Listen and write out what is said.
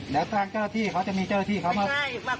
แล้วทางเจ้าหน้าที่เขาจะมีเจ้าหน้าที่เขามา